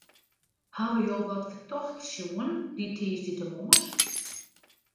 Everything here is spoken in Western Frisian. Hawwe jo wat fertochts sjoen dy tiisdeitemoarns?